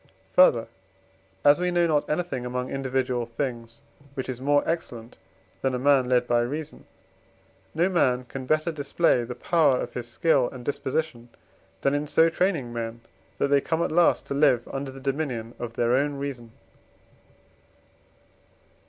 Further, as we know not anything among individual things which is more excellent than a man led by reason, no man can better display the power of his skill and disposition, than in so training men, that they come at last to live under the dominion of their own reason.